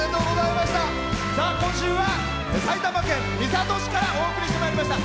今週は埼玉県三郷市からお送りしてまいりました。